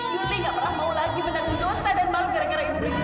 ibu tidak mau lagi menanggung dosa dan malu gara gara ibu bersih sih